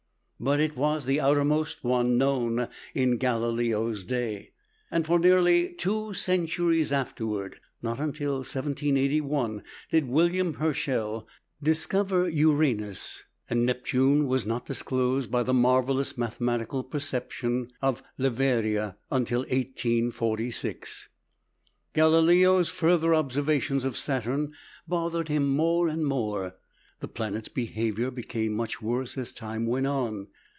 But it was the outermost known in Galileo's day, and for nearly two centuries afterward. Not until 1781 did William Herschel discover Uranus (p. 59); and Neptune was not disclosed by the marvellous mathematical perception of Le Verrier until 1846 (p. 61). Galileo's further observations of Saturn bothered him more and more. The planet's behavior became much worse as time went on.